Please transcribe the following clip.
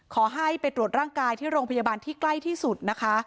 ขอให้ไปตรวจร่างกายที่โรงพยาบาลที่ใกล้ที่สุดนะคะ